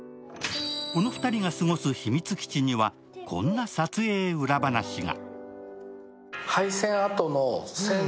この２人が過ごす秘密基地にはこんな撮影裏話が。